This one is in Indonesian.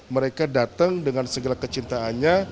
mereka datang dengan segala kecintaannya